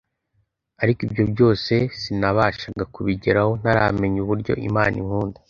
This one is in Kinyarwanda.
Ariko ibyo byose sinabashaga kubigeraho ntaramenya uburyo Imana inkunda